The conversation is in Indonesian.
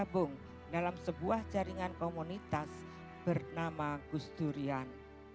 dan dalam sebuah jaringan komunitas bernama gus durian